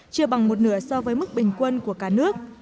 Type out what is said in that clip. chưa bằng một nửa so với mức bình quân của cả nước